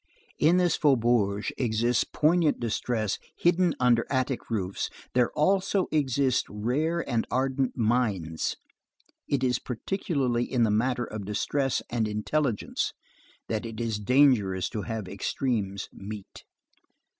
In this faubourg exists poignant distress hidden under attic roofs; there also exist rare and ardent minds. It is particularly in the matter of distress and intelligence that it is dangerous to have extremes meet.